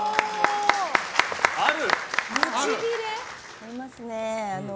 ありますね。